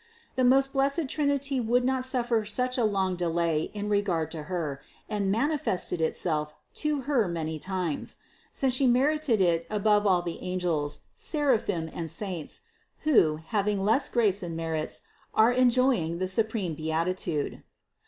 The most blessed Trinity would not suffer such a long delay in regard to Her, and manifested Itself to Her many times : since She merited it above all the angels, seraphim and saints, who, having THE CONCEPTION 485 less grace and merits, are enjoying the supreme beati tude.